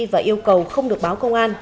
và yêu cầu không được báo công an